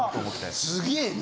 すげえな。